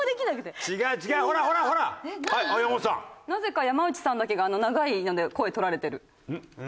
なぜか山内さんだけがあの長いので声録られてる。